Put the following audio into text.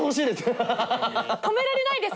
止められないです